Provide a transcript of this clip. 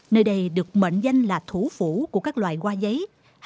nơi đây được mệnh danh là thủ phủ của các loài hoa giấy